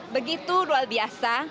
begitu luar biasa